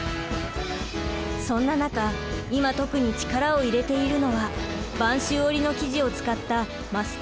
そんな中いま特に力を入れているのは播州織の生地を使ったマスク作り。